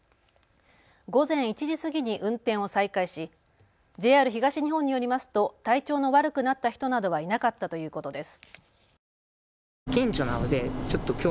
午前１時過ぎに運転を再開しＪＲ東日本によりますと体調の悪くなった人などはいなかったということです。